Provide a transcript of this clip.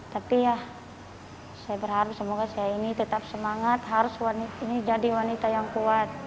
tapi ya saya berharap semoga saya ini tetap semangat harus ini jadi wanita yang kuat